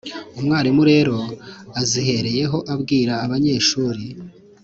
Umwarimu rero azihereyeho abwira abanyeshuri